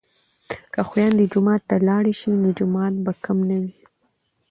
که خویندې جومات ته لاړې شي نو جماعت به کم نه وي.